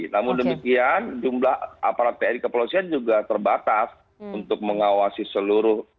namun demikian jumlah aparat tni kepolisian juga terbatas untuk mengawasi seluruh